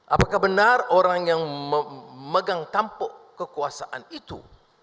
apakah benar orang yang memegang tampuk kekuasaan itu